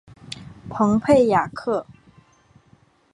蓬佩雅克。